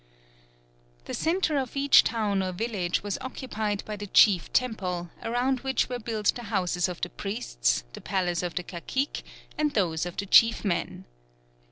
The centre of each town or village was occupied by the chief temple, around which were built the houses of the priests, the palace of the cacique and those of the chief men.